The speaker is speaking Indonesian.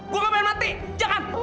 gua gak mau mati jangan